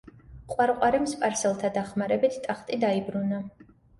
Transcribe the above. ყვარყვარემ სპარსელთა დახმარებით ტახტი დაიბრუნა.